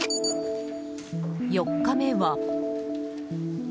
４日目は。